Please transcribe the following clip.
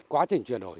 quá trình chuyển đổi